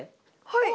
はい。